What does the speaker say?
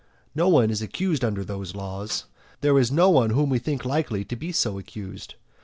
No one is accused under those laws; there is no one whom we think likely to be so accused.